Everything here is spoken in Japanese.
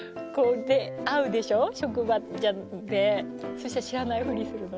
そしたら知らないふりするの？